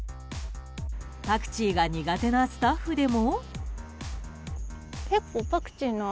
パクチーが苦手なスタッフでも。